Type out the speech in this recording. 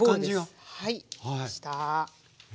はいできました。